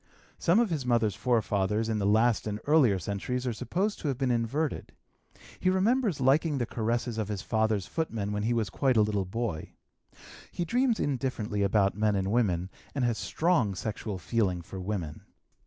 Some of his mother's forefathers in the last and earlier centuries are supposed to have been inverted. He remembers liking the caresses of his father's footmen when he was quite a little boy. He dreams indifferently about men and women, and has strong sexual feeling for women.